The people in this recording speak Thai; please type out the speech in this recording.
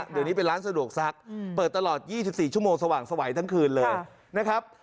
เดี๋ยวนี้เป็นร้านสะดวกซักเปิดตลอด๒๔ชั่วโมงสว่างสวัยทั้งคืนเลยนะครับ